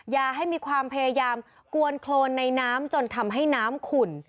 อย่าให้มีความพยายามกวนโครนในน้ำจนทำให้น้ำขุ่น